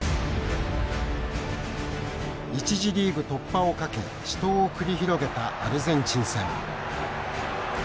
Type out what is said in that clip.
１次リーグ突破を懸け死闘を繰り広げたアルゼンチン戦。